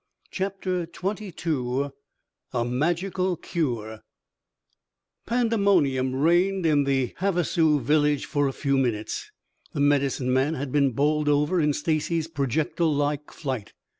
CHAPTER XXII A MAGICAL CURE Pandemonium reigned in the Havasu village for a few minutes. The Medicine Man had been bowled over in Stacy's projectile like flight.